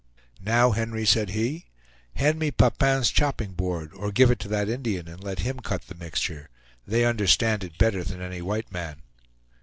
"Now, Henry," said he, "hand me Papin's chopping board, or give it to that Indian, and let him cut the mixture; they understand it better than any white man."